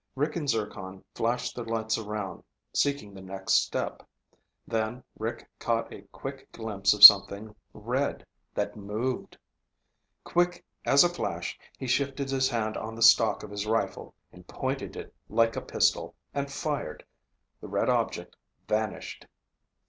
Rick and Zircon flashed their lights around, seeking the next step. Then Rick caught a quick glimpse of something red that moved! Quick as a flash he shifted his hand on the stock of his rifle, pointed it like a pistol, and fired. The red object vanished!